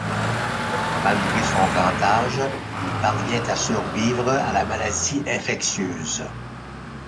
Malgré son grand âge, il parvient à survivre à la maladie infectieuse.